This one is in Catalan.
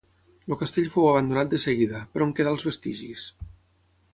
El castell fou abandonat de seguida, però en quedà els vestigis.